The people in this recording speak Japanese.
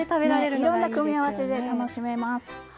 いろんな組み合わせで楽しめます。